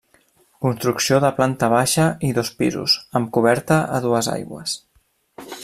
Construcció de planta baixa i dos pisos, amb coberta a dues aigües.